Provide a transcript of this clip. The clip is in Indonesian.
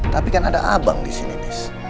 tapi kan ada abang di sini